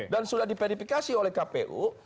dan sudah diperifikasi oleh kpu